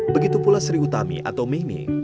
begitu pula sri utami atau memi